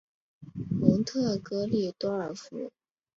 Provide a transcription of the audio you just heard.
蒙特格里多尔福。